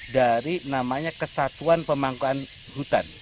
dari namanya kesatuan pemangkuan hutan